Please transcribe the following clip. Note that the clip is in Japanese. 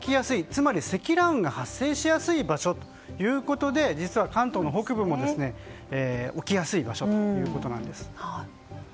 つまり積乱雲が発生しやすい場所ということで実は関東の北部も起きやすい場所ということなんです。